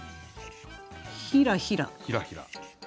「ひらひら」。